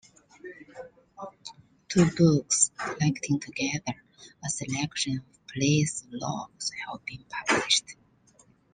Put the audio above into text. Two books collecting together a selection of police logs have been published.